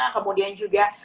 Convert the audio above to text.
kemudian juga diperhatikan